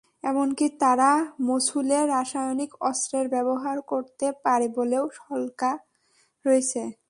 এমনকি তারা মসুলে রাসায়নিক অস্ত্রের ব্যবহার করতে পারে বলেও শঙ্কা রয়েছে।